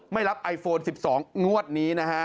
ไม่รับไอโฟน๑๒งวดนี้นะฮะ